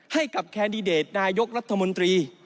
ให้กับแคนดิเดตนายกรัฐมนตรี